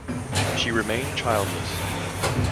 She remained childless.